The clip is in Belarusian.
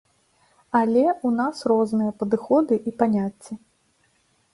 Але ў нас розныя падыходы і паняцці.